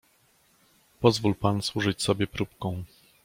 "Pozwól pan służyć sobie próbką."